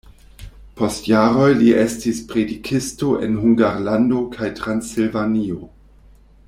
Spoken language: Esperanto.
Post jaroj li estis predikisto en Hungarlando kaj Transilvanio.